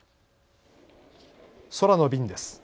空の便です。